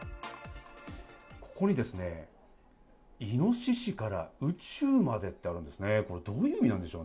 ここにですね、イノシシから宇宙までってありますね。